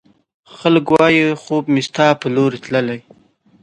خلګ وايي، خوب مې ستا په لورې تللی